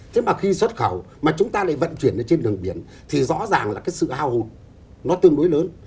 thế mà khi xuất khẩu mà chúng ta lại vận chuyển trên đường biển thì rõ ràng là cái sự hào hụt nó tương đối lớn